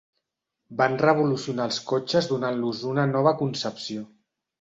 Van revolucionar els cotxes donant-los una nova concepció.